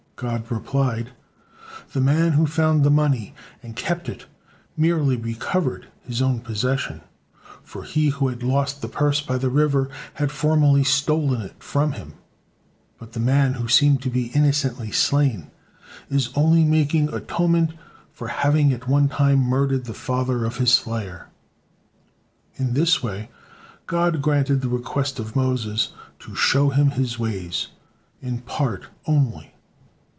God replied: "The man who found the money and kept it merely recovered his own possession, for he who had lost the purse by the river, had formerly stolen it from him; but the one who seemed to be innocently slain is only making atonement for having at one time murdered the father of his slayer." In this way, God granted the request of Moses, "to show him His ways," in part only.